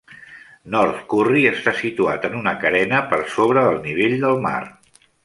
North Curry està situat en una carena, per sobre del nivell del mar.